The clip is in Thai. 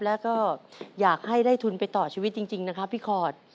แล้วก็อยากให้ได้ทุนไปต่อชีวิตจริงนะครับพี่ขอด